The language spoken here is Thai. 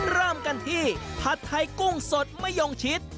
เริ่มกันที่ผัดไทยกุ้งสดมะยงชิด